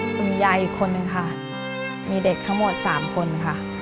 มียายอีกคนหนึ่งค่ะมีเด็กทั้งหมดสามคนค่ะ